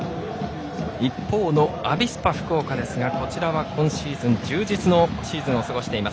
一方のアビスパ福岡は今シーズン充実のシーズンを過ごしています。